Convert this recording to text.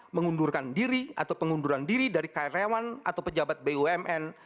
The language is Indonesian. mengundurkan diri atau pengunduran diri dari karyawan atau pejabat bumn